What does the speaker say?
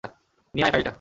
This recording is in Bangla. নিয়ে আয় ফাইলটা।